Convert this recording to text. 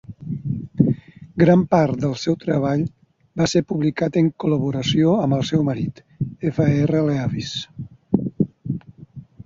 Gran part del seu treball va ser publicat en col·laboració amb el seu marit, F. R. Leavis.